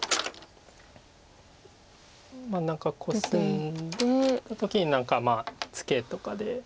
まあ何かコスんだ時に何かツケとかで。